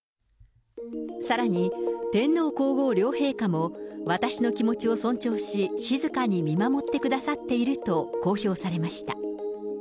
さらに、天皇皇后両陛下も、私の気持ちを尊重し静かに見守ってくださっていると公表されました。